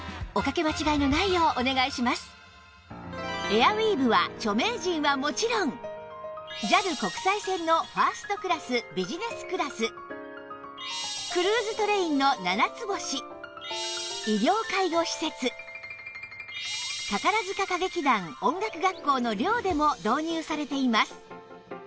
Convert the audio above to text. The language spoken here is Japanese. エアウィーヴは著名人はもちろん ＪＡＬ 国際線のファーストクラスビジネスクラスクルーズトレインのななつ星医療・介護施設宝塚歌劇団音楽学校の寮でも導入されています